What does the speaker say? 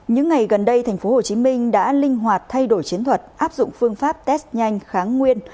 những ngày gần đây thành phố hồ chí minh đã linh hoạt thay đổi chiến thuật áp dụng phương pháp test nhanh kháng nguyên